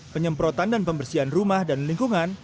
penyemprotan dan pembersihan rumah dan lingkungan